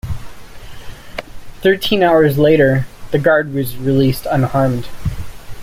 Thirteen hours later, the guard was released unharmed.